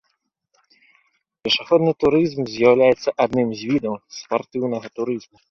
Пешаходны турызм з'яўляецца адным з відаў спартыўнага турызму.